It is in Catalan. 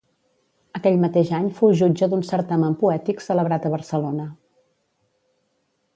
Aquell mateix any fou jutge d’un certamen poètic celebrat a Barcelona.